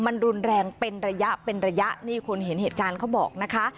มันรุนแรงเป็นระยะเป็นระยะนี่คนเห็นเหตุการณ์เขาบอกนะคะ